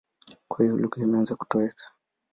Kwa hiyo lugha imeanza kutoweka.